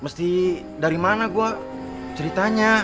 mesti dari mana gue ceritanya